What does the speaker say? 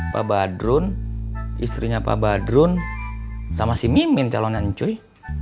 pak badrun istrinya pak badrun sama si mimin calonan cuy